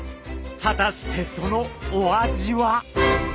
果たしてそのお味は？